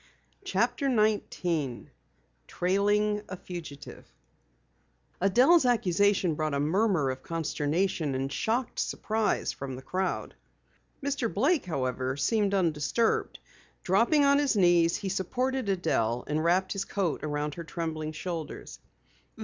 CHAPTER 19 TRAILING A FUGITIVE Adelle's accusation brought a murmur of consternation and shocked surprise from the crowd. Mr. Blake, however, seemed undisturbed. Dropping on his knees, he supported Adelle and wrapped his coat about her trembling shoulders.